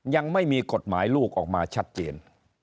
ยังไม่มีกฎหมายลูกออกมาชัดเจน